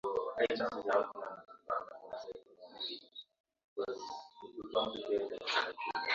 mfumo jumuishi wa kieletroniki utaendeshwa na benki kuu ya tanzania